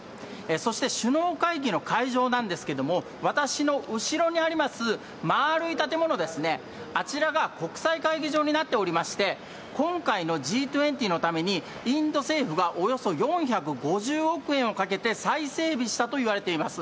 そして首脳会議の会場なんですけれども、私の後ろにあります、丸い建物ですね、あちらが国際会議場になっておりまして、今回のＧ２０のために、インド政府はおよそ４５０億円をかけて再整備したといわれています。